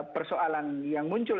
persoalan yang muncul